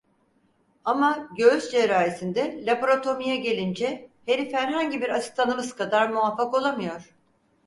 Ama, göğüs cerrahisinde, Laparatomi'ye gelince herif herhangi bir asistanımız kadar muvaffak olamıyor.